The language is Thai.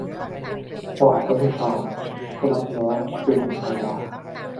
ฝ่ายอนุชาก็รับผู้น้องเป็นชายา